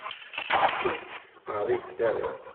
Ur d-ttqerribet ara.